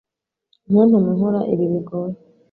Ntuntume nkora ibi bigoye